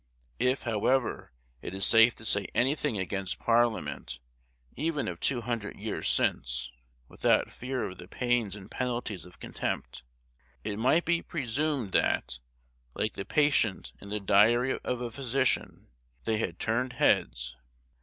If, however, it is safe to say anything against Parliament, even of two hundred years since, without fear of the pains and penalties of contempt, it might be presumed that, like the patient in the 'Diary of a Physician,' they had "turned heads."